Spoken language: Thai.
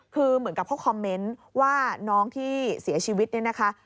คือเหมือนกับเขาคอมเมนต์ว่าน้องที่เสียชีวิตเนี่ยนะคะ